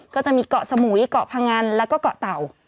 ก็จะมีเกาะสมุยเกาะพงันแล้วก็เกาะเต่า